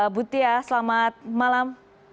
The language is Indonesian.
butia selamat malam